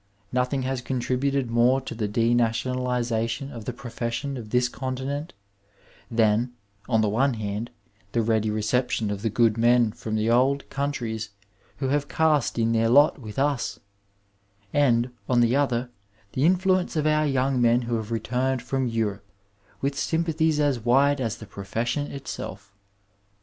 Nothing has contributed more to the denationalization of the profession of this continent than, on the one hand, the ready reception of the good men from the old countries who have cast in their lot with us, and, on the other, the influence of our young men who have returned from Europe with sympathies as wide as the profession itself.